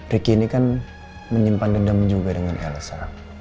ricky ini kan menyimpan dendam juga dengan elsa